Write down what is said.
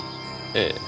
ええ。